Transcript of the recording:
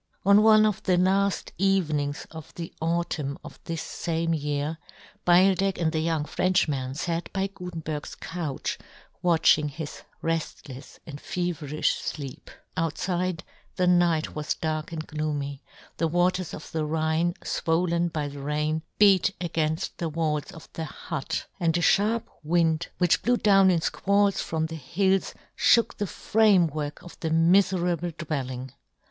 On one of the laft evenings of the autumn of this fame year, Beildech and the young Frenchman fat by Gutenberg's couch watching his reftlefs and feverifh fleep Outfide, the night was dark and gloomy ; the waters of the Rhine, fwollen by the rain, beat againft the walls of the hut, and a {harp wind which blew down in fqualls from the hills fhook the framework of the miferable dwell ing.